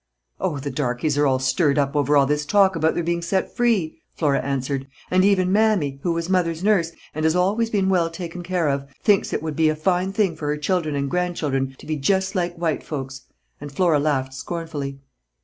"Oh, the darkies are all stirred up over all this talk about their being set free," Flora answered, "and even Mammy, who was Mother's nurse, and has always been well taken care of, thinks it would be a fine thing for her children and grandchildren to be 'jes' like white folks,'" and Flora laughed scornfully.